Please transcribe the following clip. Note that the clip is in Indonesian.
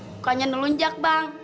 bukannya nelunjak bang